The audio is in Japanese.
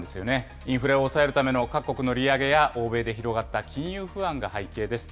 インフレを抑えるための各国の利上げや、欧米で広がった金融不安が背景です。